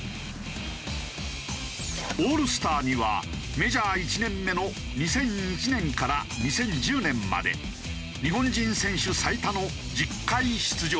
オールスターにはメジャー１年目の２００１年から２０１０年まで日本人選手最多の１０回出場。